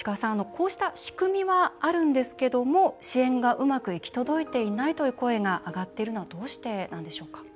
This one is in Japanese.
こうした仕組みはあるんですけども支援がうまく行き届いていないという声が上がっているのはどうしてなんでしょうか？